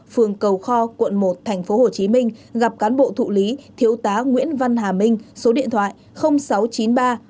phường cầu kho quận một tp hcm gặp cán bộ thụ lý thiếu tá nguyễn văn hà minh số điện thoại sáu trăm chín mươi ba một trăm tám mươi bảy hai trăm bốn mươi bốn